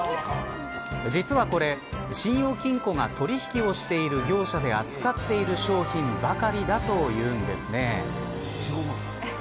実はこれ、信用金庫が取引をしている業者で扱っている商品ばかりだというんですね。